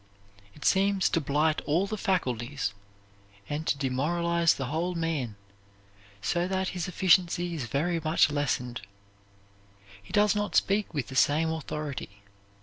It seems to blight all the faculties and to demoralize the whole man, so that his efficiency is very much lessened. He does not speak with the same authority.